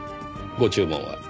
ご注文は？